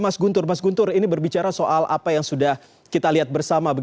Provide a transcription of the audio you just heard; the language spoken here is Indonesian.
mas guntur mas guntur ini berbicara soal apa yang sudah kita lihat bersama